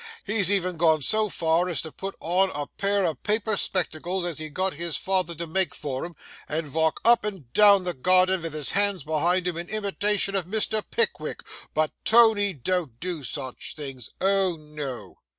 He's even gone so far as to put on a pair of paper spectacles as he got his father to make for him, and walk up and down the garden vith his hands behind him in imitation of Mr. Pickwick,—but Tony don't do sich things, O no!